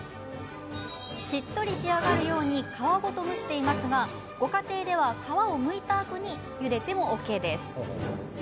しっとり仕上がるように皮ごと蒸していますがご家庭では、皮をむいたあとにゆでてもＯＫです。